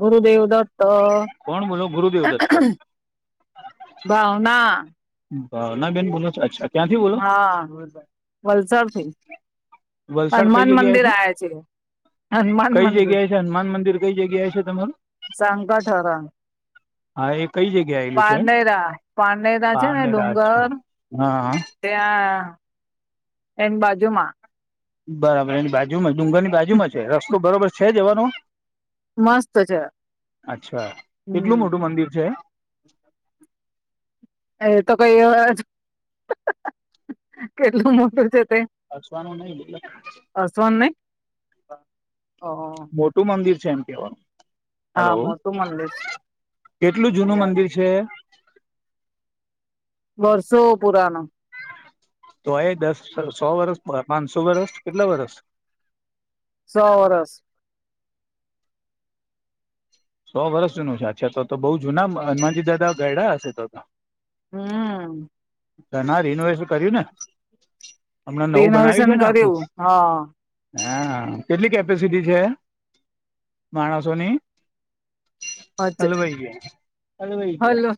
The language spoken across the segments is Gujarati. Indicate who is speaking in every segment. Speaker 1: ગુરુદેવ
Speaker 2: કોણ બોલો ગુરુદેવ
Speaker 1: દત્ત
Speaker 2: દત્ત
Speaker 1: બાવના
Speaker 2: ભાવના બેન બોલો છો અચ્છા ક્યાંથી બોલો
Speaker 1: હા વલસાડથી
Speaker 2: વલસાડ કઈ
Speaker 1: હનુમાન
Speaker 2: જગ્યાએ
Speaker 1: મંદિર આવ છે હનુમાન
Speaker 2: કઈ
Speaker 1: મંદિર
Speaker 2: જગ્યાએ છે હનુમાન મંદિર કઈ જગ્યા છે તમારું
Speaker 1: સ ક ઠરા
Speaker 2: હા એ કઈ જગ્યા આયલું છે
Speaker 1: પાંડેરા
Speaker 2: પને રાજ હા
Speaker 1: તે આ એની બાજુમાં
Speaker 2: બરાબર એની બાજુમાં ડુંગરની બાજુમાં છે રસ્તો બરોબર છે જવાનો
Speaker 1: મસ્ત છે
Speaker 2: અચ્છા કેટલું
Speaker 1: હમ
Speaker 2: મોટું મંદિર છે
Speaker 1: એ તો કઈ કેટલું મોકલ છે તે
Speaker 2: અચવાનું નહિ
Speaker 1: [inaudible]
Speaker 2: મોટું મંદિર છે એમ કવાનું
Speaker 1: હા
Speaker 2: હલો
Speaker 1: મોટું મંદિર
Speaker 2: કેટલું જૂનું મંદિર છે
Speaker 1: વર્ષો પુરાના
Speaker 2: તો એ દસ સો વરસ પાંચસો વર્ષ કેટલા વરસ
Speaker 1: સો વર્ષ
Speaker 2: સો વર્ષ જેનું છે છે તો તો બઉુ જુના હનુમાનજી દાદા ગડા હશે તો ત
Speaker 1: હમ
Speaker 2: ના ના રિનોવેશન કર્યું ને હમણા નવું બનાવ્યું
Speaker 1: રિનોવેશન
Speaker 2: છે ને આખું
Speaker 1: કર્યું હા
Speaker 2: હા કેટલી કેપેસિટી છે માણસોની
Speaker 1: હજ
Speaker 2: અલવાઈ ગ અલ વઈ ગયા
Speaker 1: હલો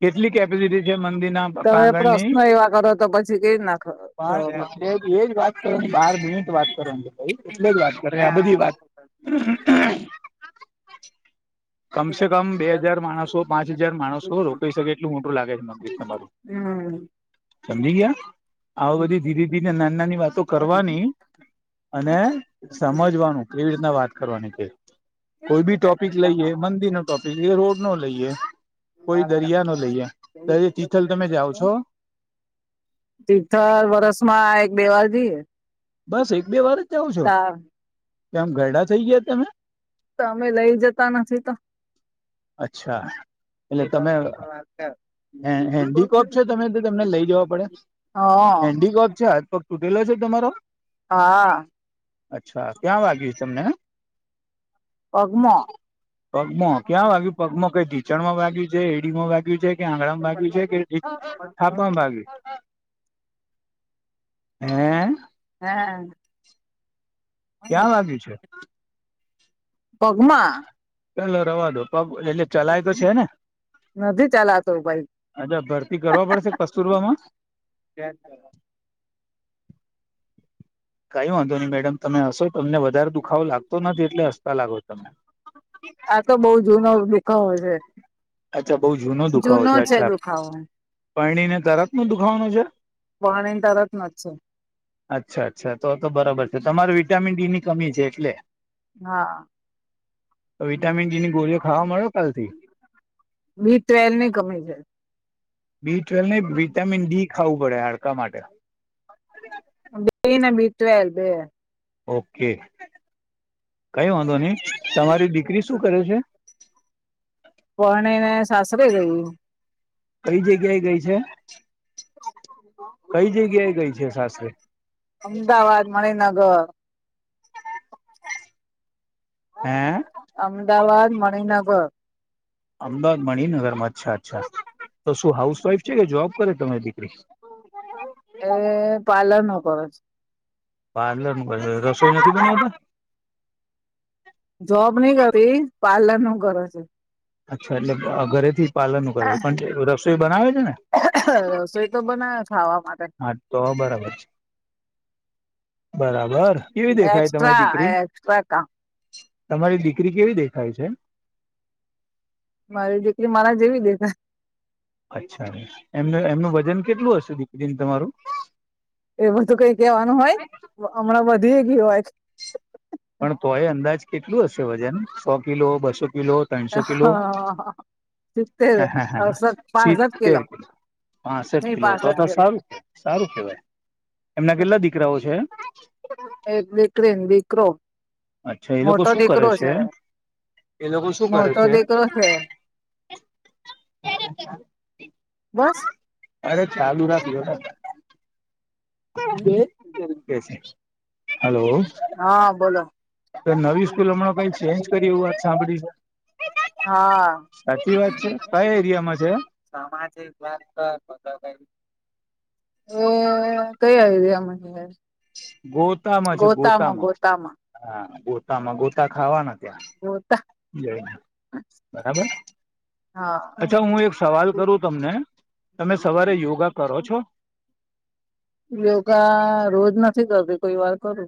Speaker 2: કેટલી કેપેસિટી છે મંદિર
Speaker 1: તમે
Speaker 2: પાંગણ ની
Speaker 1: પ્રશ્ન એવા કરો તો પછી કેવી નાખ
Speaker 2: પણ એટલે એજ વાત કરી બાર મિનિટ વાત કરવા ભાઈ એટલે જ વાત કરે આ બધી વાત હ કમસે કમ બે હજાર માણસો પાંચ હજાર માણસો રોકાઈ શકે એટલું મોટું લાગે છે મંદિ તમારું
Speaker 1: હમ
Speaker 2: સમજી ગયા આ બધી ધીરે ધીરે નાની નાની વાતો કરવાની અને સમજવાનું કેવી રીતના વાત કરવાની કે કોઈ બી ટોપિક લઈએ મંદીર નો ટોપિક લઈએ રોડ નો લઈએ કોઈ દરિયા ન લઈએ દર તિથલ તમે જાઓ છો
Speaker 1: તિથર વર્ષમાં એક બેવાર જોઈએ
Speaker 2: બસ એક બે વાર જ જાઓ છો કેમ ગરડા થઈ ગયા તમે
Speaker 1: તો અમે લઈ જતા નથી તો
Speaker 2: અચ્છા એટલે તમે હેન્ડીકોપ છે તમે તો તમને લઈ જવા પડે
Speaker 1: વા
Speaker 2: હેન્ડીકોપ છે હાથ પગ તૂટેલો છે તમારો
Speaker 1: હા
Speaker 2: અચ્છા ક્યાં વાગ્યું તમને
Speaker 1: પગમાં
Speaker 2: પગમાં ક્યાં વાગ્યું પગમાં કઈ ઢીચણ માં વાગ્યું છે એડીમાં વાગ્યું [unintelligible] છે કે આંગળમાં વાગ્યું છે કે
Speaker 1: હા
Speaker 2: છાપામાં વાગ્યું. હમ્મ.
Speaker 1: હા.
Speaker 2: ક્યાં વાગ્યું છે?
Speaker 1: પગમાં.
Speaker 2: ચાલો રવા દો પગ એટલે ચલાય તો છે ને.
Speaker 1: નથી ચલાતું ભાઈ
Speaker 2: અચ્છા ભરતી કરવા પડશે કસ્તુરબામાં.
Speaker 1: ત્યાજ કરવા
Speaker 2: કઈ વાંધો નઈ મેડમ તમે હશો તમને વધારે દુખાવો લાગતો નથી એટલે હસતા લાગો તમેં.
Speaker 1: આ તો બઉ જૂનો દુખાવઓ હોય છે.
Speaker 2: અચ્છા બઉ જૂનો દુખાવો છે અચ્છા પરણીને તરત નો દુખાવાનો છે.
Speaker 1: પરણી તરત નો છે.
Speaker 2: અચ્છા અચ્છા તો તો બરોબર છે તમારે વિટામિન ડીની કમી છે એટલે.
Speaker 1: હા.
Speaker 2: તો વિટામિન ડીની ગોળીઓ ખાવા મડો કાલથી.
Speaker 1: બી ટવેલ ની કમી છે.
Speaker 2: બી ટ્વેલ નઈ વિટામિન ડી ખાવું પડે હાડકા માટે.
Speaker 1: અમે બેને બી ટ્વેલ છે.
Speaker 2: ઓકે. કઈ વાંધો નહી તમારી દીકરી શું કરે છે?
Speaker 1: પરણીને સાસરે ગય.
Speaker 2: કઈ જગ્યા એ ગઈ છે? કઈ જગ્યાએ ગઈ છે સાસરે
Speaker 1: અમદાવાદ મણિનગર. અમ
Speaker 2: હે
Speaker 1: અમદાવાદ મણિનગર.
Speaker 2: અમદાવાદ મણિનગરમાં અચ્છા અચ્છા તો શું હાઉસવાઈફ છે કે જોબ કરે તમાર દી
Speaker 1: એ પાર્લર નો કર છ.
Speaker 2: પાર્લર રસોઈ નથી બનાવતા?
Speaker 1: જોબ નઈ કરતી પાર્લર નું કર છ.
Speaker 2: અચ્છા એટલે ઘરેથી પાર્લર નું કરે છે પણ રસોઈ બનાવે છે ને.
Speaker 1: રસોઈ તો બનાવે ખાવા માટે
Speaker 2: હા તો બરાબર છે. બરાબર કેવી દેખાય તમારી
Speaker 1: એક્સ્ટ્રા
Speaker 2: દીકરી.
Speaker 1: એક્સ્ટ્રા કામ
Speaker 2: તમારી દીકરી કેવી દેખાય છે?
Speaker 1: મારી દીકરી મારા જેવી દેખા
Speaker 2: અચ્છા એમનું એમનું વજન કેટલું હશે દીકરી ન તમારું.
Speaker 1: એ બધું કઈ કેવાનું હોય હમણાં વધી એ ગ્યું હોય.
Speaker 2: પણ તોય અંદાજ કેટલું હશે વજન સો કિલો બસો કિલો ત્રણસો કિલો
Speaker 1: સિત્તેર અડસઠ પાસઠ કિલો
Speaker 2: શીતેર પાસઠ
Speaker 1: નહી
Speaker 2: કિલો તો
Speaker 1: પાસઠ
Speaker 2: તો
Speaker 1: કિલો
Speaker 2: સારું સારું કહેવાય એમના કેટલા દીકરાઓ છે?
Speaker 1: એક દીકરીન દીકરો.
Speaker 2: અચ્છા એ લોકો
Speaker 1: મોટો
Speaker 2: શું કરે
Speaker 1: દીકરો
Speaker 2: છે? એ લોકો શું કરે
Speaker 1: મોટો
Speaker 2: છે?
Speaker 1: દીકરો છે બસ.
Speaker 2: અરે ચાલુ રા [inaudible]
Speaker 1: હા બોલો.
Speaker 2: તો નવી સ્કૂલમાં કઈ ચેન્જ કર્યું એવુ વાત સાંભળી છે.
Speaker 1: હા
Speaker 2: સાચી વાત છે કયા એરિયામાં છે?
Speaker 1: સામાજિક એ કયા એરિયા માં છે.
Speaker 2: ગોતામાં છે ગો
Speaker 1: માં ગોતામાં
Speaker 2: ગોતામાં ગોતા ખાવાના ત્યાં,
Speaker 1: ગોતા
Speaker 2: જો બરાબર!
Speaker 1: હા
Speaker 2: અચ્છા! ઉં એક સવાલ કરું તમને? તમે સવારે યોગા કરો છો?
Speaker 1: યોગા રોજ નથી કરતી કોઈ વાર કરું.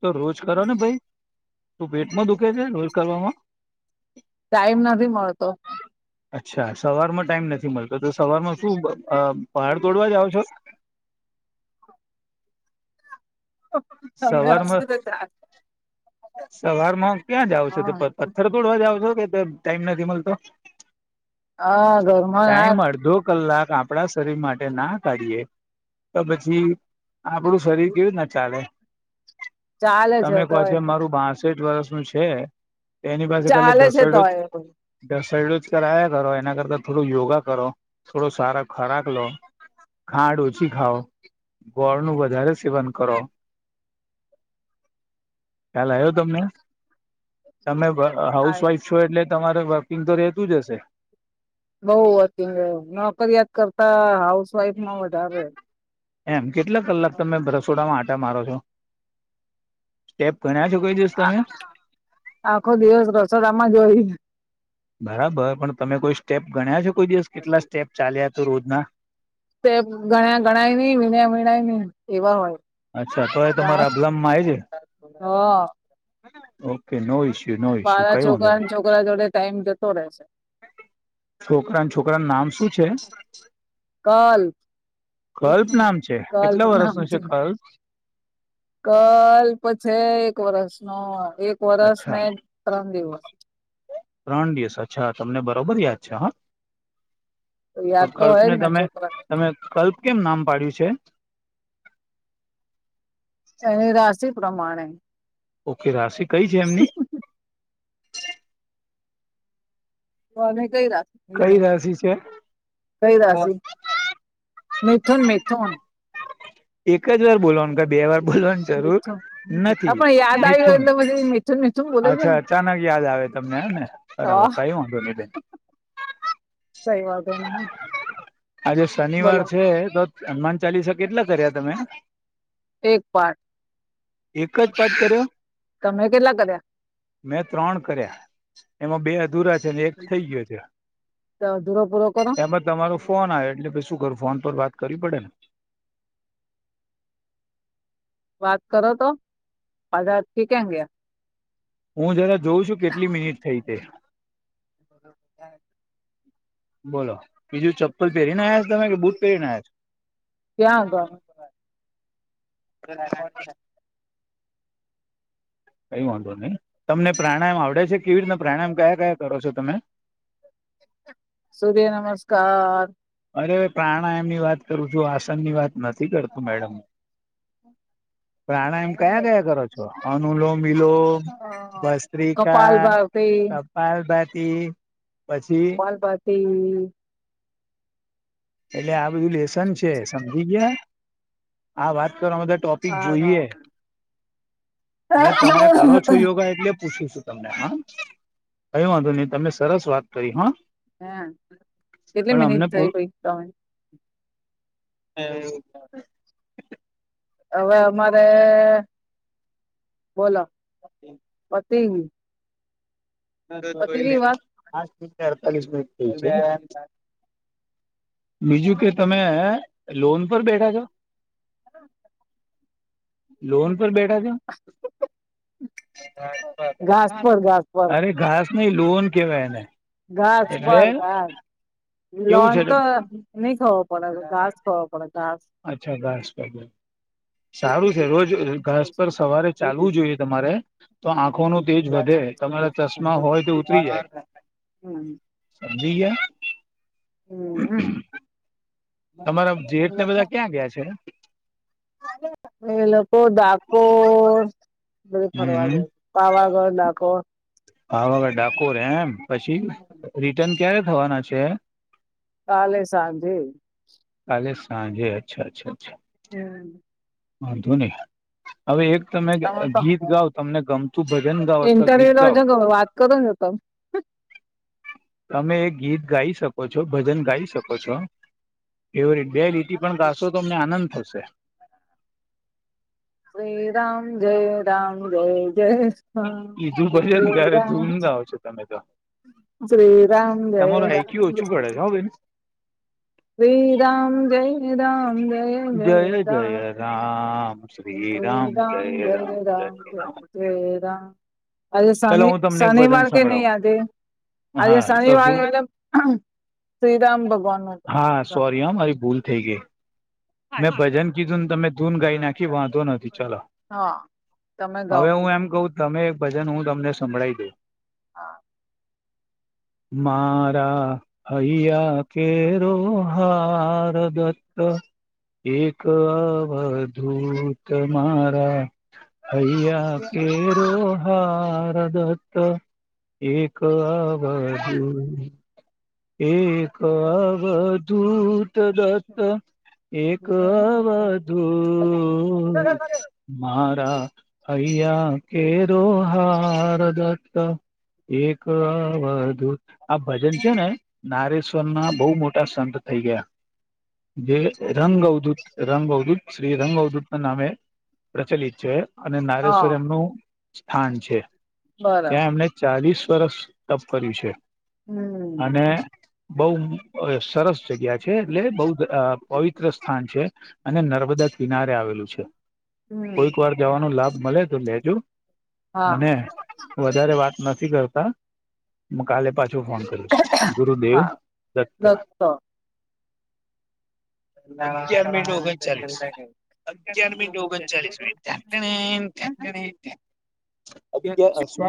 Speaker 2: તો રોજ કરો ને ભઈ શું પેટમાં દુખે છે રોજ કરવામાં?
Speaker 1: ટાઈમ નથી મળતો.
Speaker 2: અચ્છા! સવારમાં ટાઈમ નથી મળતો તો સવારમાં શું અ પહાડ તોડવા જાવ છો.
Speaker 1: તમને હશે
Speaker 2: સવારમાં
Speaker 1: ને જ રાખ
Speaker 2: સવારમાં ક્યાં જાવ છો તો
Speaker 1: હા
Speaker 2: પત્થ પથ્થર તોડવા જાવ છો કે તા ટાઈમ નથી મલતો,
Speaker 1: હા ઘરમાં
Speaker 2: ટાઈમ અડધો
Speaker 1: ના
Speaker 2: કલાક આપ આપણા શરીર માટે ના કાઢીએ તો પછી આપણું શરીર કેવી રીતના ચાલે
Speaker 1: ચાલે છે
Speaker 2: તમે કો છો
Speaker 1: તોય
Speaker 2: એમ મારું બાસેઠ વર્ષ નું છે. તેની પાસે ખાલી
Speaker 1: ચાલે છે
Speaker 2: ધશરડુંસ
Speaker 1: તોય.
Speaker 2: સ યદુજ કરાયા કરો એના કરતા થોડું યોગા કરો થોડો સારા ખોરાક લો. ખાંડ ઓછી ખાઓ, ગોળ નું વધારે સેવન કરો. ખ્યાલ આયવો તમને? તમે વર્ક અ
Speaker 1: આયો
Speaker 2: વાઈફ છો એટલે તમારે વર્કિંગ તો રહેતું જ હશે?
Speaker 1: બઉ વર્કિંગ નોકરીયાત કરતા હાઉસવાઈફમાં વધારે.
Speaker 2: એમ કેટલા કલાક તમે બ રસોડામાં આટા મારો છો? સ્ટેપ ગણ્યા છો કોઈ દિવસ
Speaker 1: આ
Speaker 2: તમે
Speaker 1: આખો દિવસ રસોડામાં જ હોઈ.
Speaker 2: બરાબર પણ તમે કોઈ સ્ટેપ ગણ્યા છો કોઈ દિવસ કેટલા સ્ટેપ ચાલ્યા છો રોજના
Speaker 1: તે ગણ્યા ગણાય ની, વિણ્યા વિણાય ની એવા હોય.
Speaker 2: અચ્છા! તો એ
Speaker 1: હા
Speaker 2: તમારા અબલમમાં આઈછે, okay no issue. No issue
Speaker 1: મારા
Speaker 2: કઈ વાંધો નહી
Speaker 1: છોકરાના છોકરા જોડે ટાઈમ જતો રે છે.
Speaker 2: છોકરા ના છોકરાનું નામ શું છે
Speaker 1: કલ
Speaker 2: કલ્પ નામ છે, કેટલા
Speaker 1: કલ્પના
Speaker 2: વરસનો છે કલ્પ?
Speaker 1: કલ્પ છે એક વરસ નો, એક વરસ
Speaker 2: અચ્છા
Speaker 1: ને ત્રણ દિવસ.
Speaker 2: ત્રણ દિવસ અચ્છા તમને બરોબર યાદ છે હ તો
Speaker 1: યાદ હોય જ
Speaker 2: કલ્પને
Speaker 1: ને
Speaker 2: તમે
Speaker 1: છોકરા
Speaker 2: તમે કલ્પ કેમ નામ પાડ્યું છે?
Speaker 1: એની રાશિ પ્રમાણે.
Speaker 2: ઓકે રાશિ કઈ છે એમની?
Speaker 1: કોને કઈ રાશિ
Speaker 2: કઈ રાશિ છે
Speaker 1: કઈ રાશિ મિથુન-મિથુન
Speaker 2: એક જ વાર બોલવાનું. બે વાર બોલવાની જરૂર
Speaker 1: મિથુન હા
Speaker 2: નથી,
Speaker 1: પણ યાદ આવ્યું
Speaker 2: મિથુન
Speaker 1: એટલે પછી મીઠું મીઠું બોલે છે
Speaker 2: અચ્છા અચાનક યાદ આવે તમને હને
Speaker 1: તો
Speaker 2: બરાબર કઈ વાંધો ની બેન.
Speaker 1: કઈ વાંધો ની હ.
Speaker 2: આજે શનિવાર છે, તો હનુમાન ચાલીસા કેટલા કર્યા તમે?
Speaker 1: આઠ.
Speaker 2: એક જ પાઠ કર્યો
Speaker 1: તમે કેટલા કર્યા?
Speaker 2: મેં ત્રણ કર્યા, એમાં બે અધુરા છે એટલે એક થઈ ગયો છે
Speaker 1: અધૂરો પૂરો કરો
Speaker 2: એમાં તમારો આ એટલે પછી શું કરું ફોન પર વાત કરવી પડેને
Speaker 1: વાત કરો તો આધા અટકી ક્યાં ગયા
Speaker 2: હું જરા જોઉં છું કેટલી મિનિટ થઈ તે. બોલો. બીજું ચપ્પલ પહેરી ના આવ્યા છો તમે કે બુટ પહેરી આયા છો?
Speaker 1: ક્યાં આગળ [unintelligible]
Speaker 2: કઈ વાંધો નઈ તમને પ્રાણાયામ આવડે છે કેવી રીતના પ્રાણાયામ કયા કયા કરો છો તમે?
Speaker 1: સૂર્ય નમસ્કાર
Speaker 2: અરે પ્રાણાયામ ની વાત કરું છું આસનની વાત નથી કરતો મેડમ પ્રાણાયામ કયા કયા કરો છો અનુલોમ વિલોમ ભસ્ત્રિકા
Speaker 1: કપાલ ભારતી
Speaker 2: કપાલભાતી પછી
Speaker 1: [unintelligible]
Speaker 2: એટલે આ બધું લેસન છે સમજી ગયા આ વાત કરવા માટે ટોપિક
Speaker 1: હા હા
Speaker 2: જોઈએ ને તમે કરો છો યોગા એટલે પૂછું છું તમને હા કય વાંધો નહી તમે સરસ વાત કરી હા
Speaker 1: હા કેટલી
Speaker 2: પણ
Speaker 1: મિનિટ થઈ ભાઈ
Speaker 2: હમ્મ.
Speaker 1: હવે અમારે બોલો પતી ગ્યું
Speaker 2: [unintelligible] અડતાલીસ મિનિટ થય છે બીજું કે તમે લોન પર બેઠા છો લોન પર બેઠા છો ઘાસ
Speaker 1: ઘાસ
Speaker 2: પર
Speaker 1: ઘાસ પર
Speaker 2: અરે ઘાસ નઈ લોન કેવાય એને
Speaker 1: ઘાસ
Speaker 2: એટલે
Speaker 1: પર ઘાસ
Speaker 2: કેવું
Speaker 1: લોન
Speaker 2: છે
Speaker 1: તો નઈ ખબર [unintelligible]
Speaker 2: અચ્છા ઘાસ પર બેઠા સારું છે રોજ ઘાસ પર સવારે ચાલવું જોઈએ તમારે તો આંખો નો તેજ વધે છે તમારા ચશ્મા હોય તો ઉતરી જાય સમજી ગયા.
Speaker 1: હમ
Speaker 2: તમારા જેઠને બધા ક્યાં ગયા છે
Speaker 1: એ લોકો ડાકોર બધું ફરવા
Speaker 2: હમ
Speaker 1: ગયા છે પાવાગઢ ડકોર
Speaker 2: પાવાગઢ ડાકોર એમ પછી રિટર્ન ક્યારે થવાના છે
Speaker 1: કાલે સાંજે
Speaker 2: કાલે સાંજે અચ્છા અચ્છા અચ્છા
Speaker 1: [inaudible]
Speaker 2: વાંધો નહી હવે એક તમે ગીત ગાઓ તમને ગમતું ભજન ગાઓ અથવા
Speaker 1: ઇન્ટરવ્યુ
Speaker 2: ગીત
Speaker 1: લો
Speaker 2: ગાઓ
Speaker 1: છો કે વાત કરો છો [inaudible]
Speaker 2: તમે એ ગીત ગાઈ શકો છો ભજન ગાઈ શકો છો ફેવરિટ બે લીટી પણ ગાસો તો અમને આનંદ થશે
Speaker 1: શ્રી રામ જય રામ જય જય રામ
Speaker 2: બીજું ભજન
Speaker 1: શ્રી
Speaker 2: ગાવે
Speaker 1: રામ
Speaker 2: ધૂન
Speaker 1: જય
Speaker 2: ગાઓ છો તમે તો
Speaker 1: શ્રી રામ જય
Speaker 2: તમારું
Speaker 1: રામ
Speaker 2: આઈક્યુ
Speaker 1: જય
Speaker 2: ઓછું પડે છે હો બેન
Speaker 1: શ્રી રામ જય રામ જય જય રામ શ્રી રામ જય રામ જય જય રામ શ્રી રામ આજે
Speaker 2: ચાલો
Speaker 1: શનિ
Speaker 2: હું તમને એક
Speaker 1: શનિવાર
Speaker 2: ભજન
Speaker 1: કે નહી
Speaker 2: સંભળાવું
Speaker 1: આજે આજે
Speaker 2: હા તો
Speaker 1: શનિવારે
Speaker 2: શું
Speaker 1: એટલે શ્રીરામ ભગવાન નો
Speaker 2: હા સોરી હા મારી ભૂલ થઈ ગઈ મેં ભજન કીધું ને તમે ધૂન ગાઈ નાખી વાંધો નથી ચલો
Speaker 1: હા તમે ગાઓ
Speaker 2: હવે હું એમ કહું તમે એક ભજન હું તમને સંભળાઈ દવ
Speaker 1: હા
Speaker 2: મારા હૈયા કેરો હાર. [unintelligible] એક અવધૂત મારા હૈયા કેરો હાર મારા દત એક આ બાજુ એક અવધૂત દત્ત એક વધધુ મા હતા કેરો હાર એક વધુઆ ભજન છે. ને નારેશ્વર ના બહુ મોટા સંત થઈ ગયા જે રંગ અવધુત રંગ અવધૂત શ્રી રંગ દૂત ના નામે પ્રચલિત છે. અને નારેશ્વર
Speaker 1: હા
Speaker 2: એમનું. સ્થાન છે. ત્યાં
Speaker 1: બરાબર
Speaker 2: એમને ચાલીસ વર્ષ તપ કરર્યું છે.
Speaker 1: હમ [unintelligible]
Speaker 2: અને બઉ સરસ જગ્યા છે. એટલે બઉ પવિત્ર સંત છે અને નર્મદા કિનારે આવેલું છે. કોઈક
Speaker 1: હમ
Speaker 2: વાર જવાનો લાભ મળે તો લેજો
Speaker 1: હા
Speaker 2: અને વધારે વાત નથી કરતા મ કાલે પાછા જો ફોન કરશે જય ગુરુદેવ
Speaker 1: હા
Speaker 2: દત્તા.
Speaker 1: લખતો.
Speaker 2: અગિયાર મિનિટ ઓગણ ચાલીસ મીનિટ અગિયાર મી ઓગણ ચાલીસક [unintelligible] અ ક્યા શ [unintelligible]